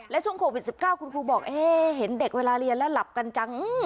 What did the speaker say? และช่วงโควิด๑๙คุณครูบอกเห็นเด็กเวลาเรียนแล้วหลับกันจัง